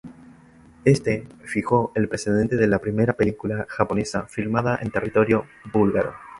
Esto fijó el precedente de la primera película japonesa filmada en territorio búlgaro.